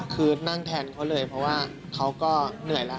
คือนั่งแทนเขาเลยเพราะว่าเขาก็เหนื่อยแล้ว